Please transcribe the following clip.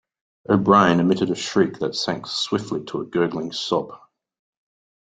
O'Brien emitted a shriek that sank swiftly to a gurgling sob.